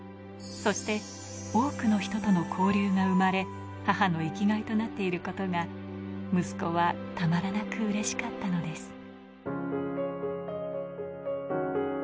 そして多くの人との交流が生まれ、母の生きがいとなっていることが息子はたまらなくうれしかったのです。